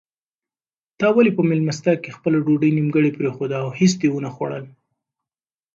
تا ولې په مېلمستیا کې خپله ډوډۍ نیمګړې پرېښوده او هیڅ دې ونه خوړل؟